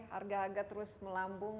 harga harga terus melambung